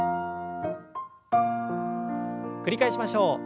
繰り返しましょう。